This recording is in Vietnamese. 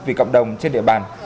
vì cộng đồng trên địa bàn